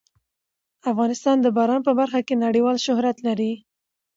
افغانستان د باران په برخه کې نړیوال شهرت لري.